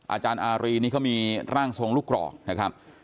อาจารย์อารีนี่เขามีร่างทรงลูกกรอกนะครับ